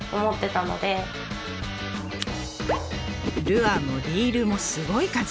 ルアーもリールもすごい数。